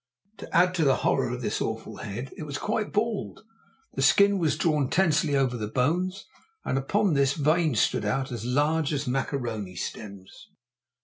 To add to the horror of this awful head, it was quite bald; the skin was drawn tensely over the bones, and upon this veins stood out as large as macaroni stems.